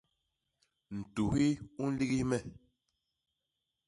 Ntuhi u nligis me.